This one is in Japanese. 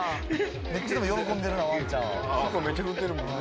めっちゃでも喜んでるなワンちゃんは。